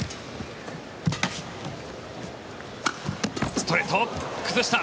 ストレート、崩した。